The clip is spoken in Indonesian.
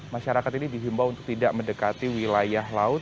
masyarakat ini dihimbau untuk tidak mendekati wilayah laut